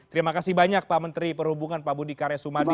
terima kasih banyak pak menteri perhubungan pak budi karya sumadi